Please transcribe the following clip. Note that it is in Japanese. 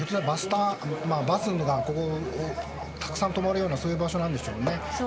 バスがここにたくさん止まるようなそういう場所なんでしょうね。